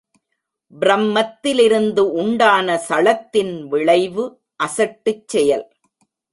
ப்ரமத்திலிருந்து உண்டான சளத்தின் விளைவு அசட்டுச் செயல்.